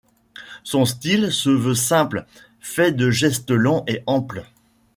Son style se veut simple, fait de gestes lents et amples.